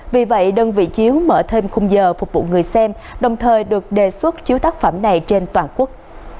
vì vậy đơn vị chiếu mở thêm khung giờ phục vụ người xem đồng thời được đề xuất chiếu tác phẩm này trên toàn quốc